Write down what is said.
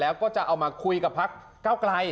แล้วก็จะเอามาคุยกับภรรยาปร์เกาะไกล